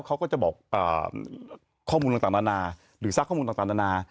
ข้อมูลต่างนานาหรือซักข้อมูลต่างนานา